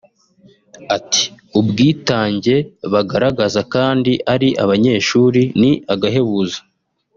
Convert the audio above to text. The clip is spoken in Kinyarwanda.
Ati” Ubwitange bagaragaza kandi ari abanyeshuri ni agahebuzo